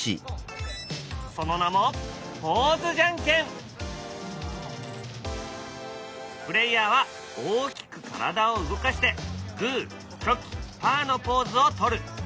その名もプレーヤーは大きく体を動かしてグーチョキパーのポーズを取る。